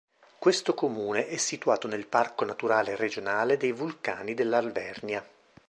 Questo comune è situato nel parco naturale regionale dei vulcani dell'Alvernia.